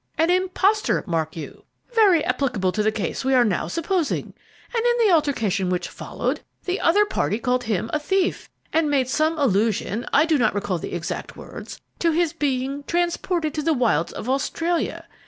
An 'impostor,' mark you! Very applicable to the case we are now supposing. And in the altercation which followed, the other party called him a 'thief,' and made some allusion I do not recall the exact words to his being 'transported to the wilds of Australia.'